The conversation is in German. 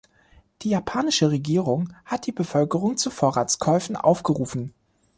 Die japanische Regierung hat die Bevölkerung zu Vorratskäufen aufgerufen.